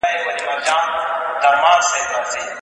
د هر چا چي وي په لاس کي تېره توره